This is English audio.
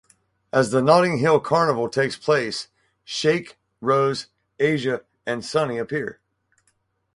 As the Notting Hill Carnival takes place, Shake, Rose, Asia, and Sunny appear.